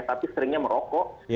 tapi seringnya merokok